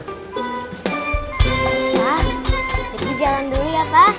pak pergi jalan dulu ya pak